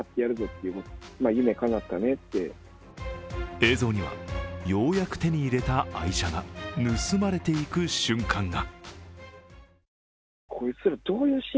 映像には、ようやく手に入れた愛車が盗まれていく瞬間が。